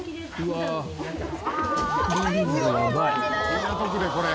港区でこれ。